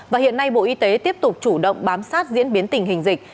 và hiện nay bộ y tế tiếp tục chủ động bám sát diễn biến tình hình dịch